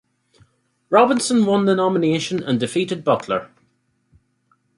Robinson won the nomination and defeated Butler.